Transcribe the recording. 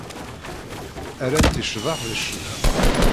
Rran-tt i ccḍeḥ d ccna.